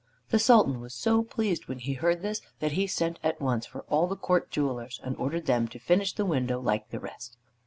The Sultan was so pleased when he heard this, that he sent at once for all the court jewelers and ordered them to finish the window like the rest.